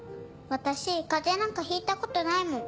私風邪なんかひいたことないもん。